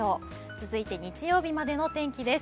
続いて日曜日までの天気です。